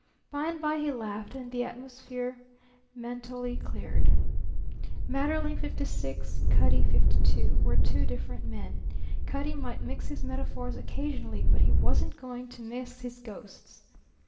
By and by he laughed; and the atmosphere mental cleared. Maeterlinck, fifty six, and Cutty, fifty two, were two different men. Cutty might mix his metaphors occasionally, but he wasn't going to mix his ghosts.